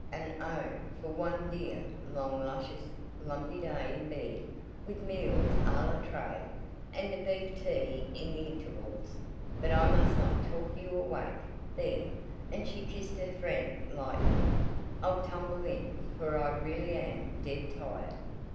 And oh, for one dear, long, luscious, lumpy day in bed! With meals à la tray, and beef tea in the intervals. But I must not talk you awake. There," and she kissed her friend lightly, "I'll tumble in, for I really am dead tired."